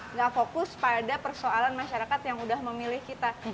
nggak fokus pada persoalan masyarakat yang udah memilih kita